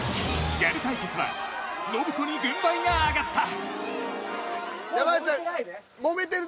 ギャル対決は信子に軍配が上がった山内さん